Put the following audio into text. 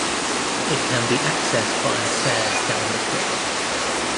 It can be accessed via stairs down the cliff.